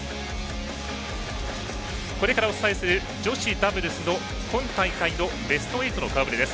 これからお伝えする女子ダブルスの今大会のベスト８の顔ぶれです。